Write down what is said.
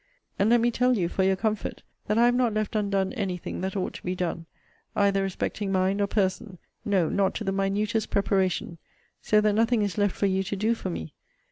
And let me tell you for your comfort, that I have not left undone any thing that ought to be done, either respecting mind or person; no, not to the minutest preparation: so that nothing is left for you to do for me.